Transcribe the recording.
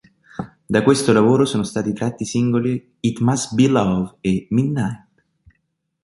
Da questo lavoro sono stati tratti i singoli "It Must Be Love" e "Midnight".